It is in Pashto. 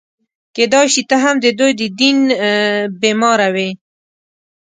کېدای شي ته هم د دوی د دیدن بیماره وې.